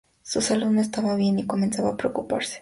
Su salud no estaba bien y comenzaba a preocuparse.